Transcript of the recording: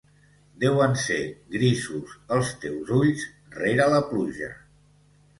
Deuen ser grisos els teus ulls rere la pluja.